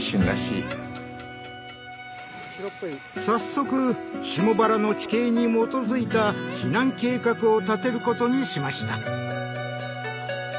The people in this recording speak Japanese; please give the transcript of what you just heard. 早速下原の地形に基づいた避難計画を立てることにしました。